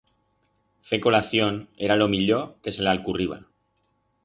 Fer colación era lo millor que se l'alcurriba.